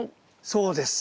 そうです。